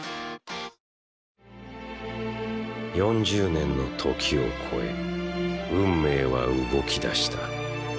４０年の時を超え運命は動きだした。